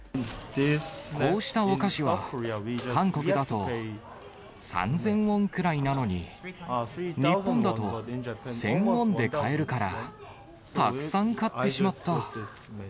こうしたお菓子は、韓国だと３０００ウォンくらいなのに、日本だと１０００ウォンで買えるから、たくさん買ってしまった。